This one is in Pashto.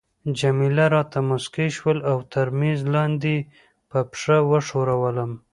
جميله راته مسکی شول او تر میز لاندي يې په پښه وښورولم.